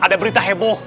ada berita heboh